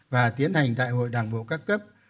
và tiến hành đại hội đảng bộ các cấp